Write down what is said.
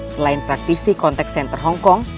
selain praktisi kontak center hong kong